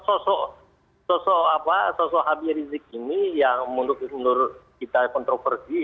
soal sosok habib rizieq ini yang menurut kita kontroversi